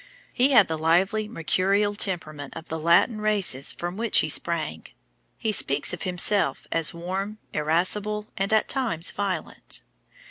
He had the lively mercurial temperament of the Latin races from which he sprang. He speaks of himself as "warm, irascible, and at times violent."